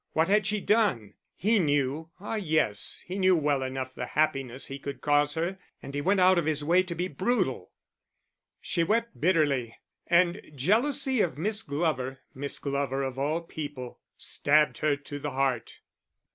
What had she done? He knew ah, yes, he knew well enough the happiness he could cause her and he went out of his way to be brutal. She wept bitterly, and jealousy of Miss Glover (Miss Glover, of all people!) stabbed her to the heart.